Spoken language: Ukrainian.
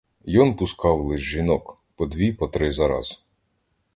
Йон пускав лиш жінок, по дві, по три за раз.